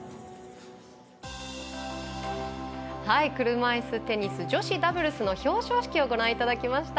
車いすテニス女子ダブルスの表彰式をご覧いただきました。